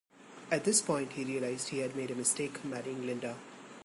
At this point, he realised he had made a mistake, marrying Linda.